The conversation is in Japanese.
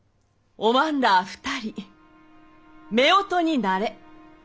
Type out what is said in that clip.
おまんら２人めおとになれ。